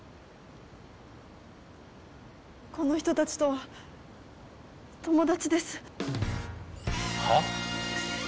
この人たちとは友達です。はあ？